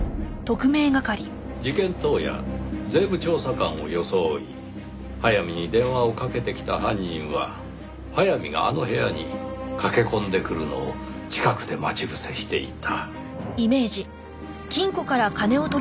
事件当夜税務調査官を装い速水に電話をかけてきた犯人は速水があの部屋に駆け込んでくるのを近くで待ち伏せしていた。